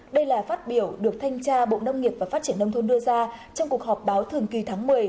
đây là phát biểu được thanh tra bộ nông nghiệp và phát triển nông thôn đưa ra trong cuộc họp báo thường kỳ tháng một mươi